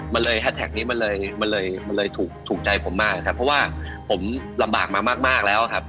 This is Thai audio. มันเลยแฮทแท็กนี้มันเลยถูกใจผมมากครับเพราะว่าผมลำบากมามากแล้วครับ